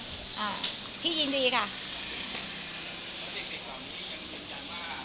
อ่าพี่ยินดีค่ะถ้าเด็กคร่วงนี้ยังรับจันร์ว่า